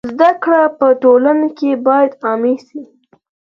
زده کړه په ټولنه کي بايد عامه سي.